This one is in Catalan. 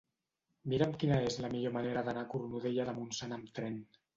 Mira'm quina és la millor manera d'anar a Cornudella de Montsant amb tren.